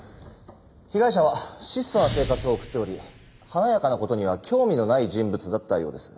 被害者は質素な生活を送っており華やかな事には興味のない人物だったようです。